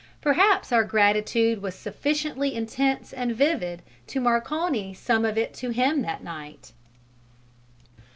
Perhaps our gratitude was sufficiently intense and vivid to "Marconi" some of it to him that night.